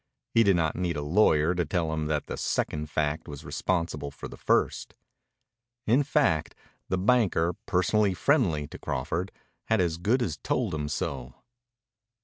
He did not need a lawyer to tell him that the second fact was responsible for the first. In fact the banker, personally friendly to Crawford, had as good as told him so.